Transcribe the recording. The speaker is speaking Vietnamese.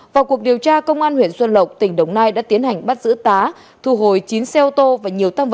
vào cuộc điều tra công an huyện xuân lộc tỉnh đồng nai đã tiến hành bắt giữ tá